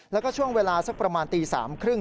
แล้วก็ช่วงเวลาสักประมาณตี๓๓๐